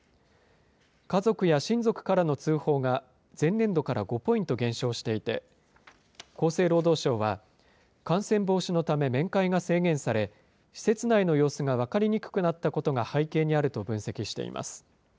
家族や親族からの通報が前年度から５ポイント減少していて、厚生労働省は、感染防止のため面会が制限され、施設内の様子が分かりにくくなったことが背景にあると分析しています。